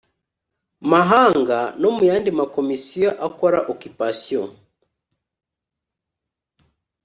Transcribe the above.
mahanga no mu yandi makomisiyo akora occupation